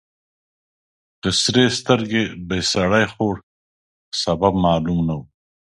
په سرې سترګې به سړی خوړ. سبب معلوم نه و.